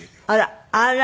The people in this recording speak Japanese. あら。